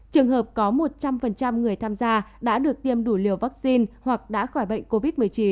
trường hợp có một trăm linh người tham gia đã được tiêm đủ liều vaccine hoặc đã khỏi bệnh covid một mươi chín